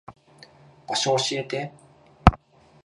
場所教えて。